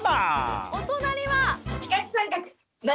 お隣は。